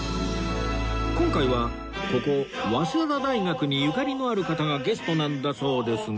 今回はここ早稲田大学にゆかりのある方がゲストなんだそうですが